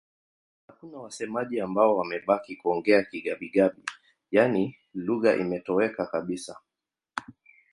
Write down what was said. Hakuna wasemaji ambao wamebaki kuongea Kigabi-Gabi, yaani lugha imetoweka kabisa.